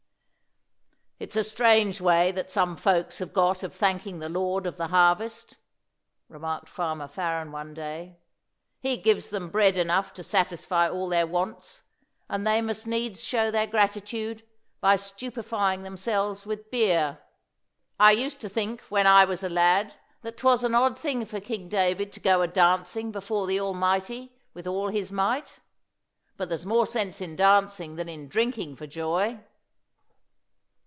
"It's a strange way that some folks have got of thanking the Lord of the harvest," remarked Farmer Farren one day. "He gives them bread enough to satisfy all their wants, and they must needs show their gratitude by stupefying themselves with beer! I used to think, when I was a lad, that 'twas an odd thing for King David to go a dancing before the Almighty with all his might. But there's more sense in dancing than in drinking for joy."